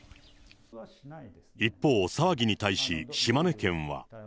一方、騒ぎに対し、島根県は。